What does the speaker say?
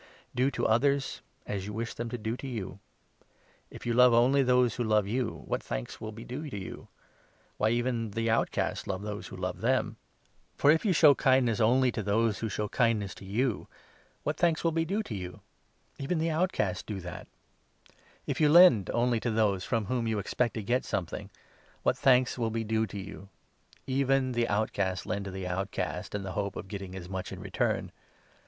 The Do to others as you wish them to do to you. If 31, Golden Rule, you love only those who love you, what thanks will be due to you ? Why, even the outcast love those who love them ! For, if you show kindness only to those who show 33 20 Isa. 61. i. 24 Enoch 94. 8. 118 LUKE, 6 7. kindness to you, what thanks will be due to you ? Even the outcast do thatf If you lend only to those from whom 34 you expect to get something, what thanks will be due to you ? Even the outcast lend to the outcast in the hope of get ting as much in return